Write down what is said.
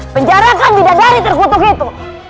penjarahan di dadari terkutuk itu